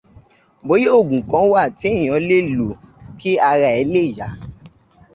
Bóyá ògùn kan wà tí èèyàn lè lò kí ara ẹ̀ lè yá